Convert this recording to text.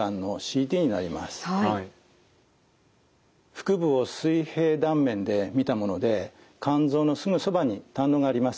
腹部を水平断面で見たもので肝臓のすぐそばに胆のうがあります。